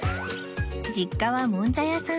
実家はもんじゃ屋さん